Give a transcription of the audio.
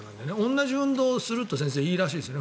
同じ運動をするといいらしいですね。